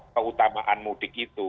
keutamaan mudik itu